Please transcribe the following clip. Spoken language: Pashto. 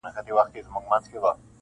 درواري دي سم شاعر سه قلم واخله,